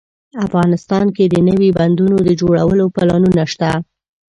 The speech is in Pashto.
افغانستان کې د نوي بندونو د جوړولو پلانونه شته